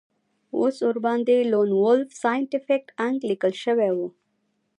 اوس ورباندې لون وولف سایینټیفیک انک لیکل شوي وو